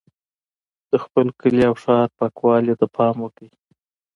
د خپل کلي او ښار پاکوالي ته پام وکړئ.